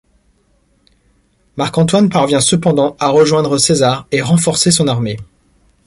Marc Antoine parvient cependant à rejoindre César et renforcer son armée.